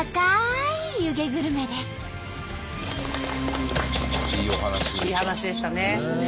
いい話でしたね。